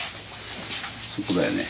そこだよね。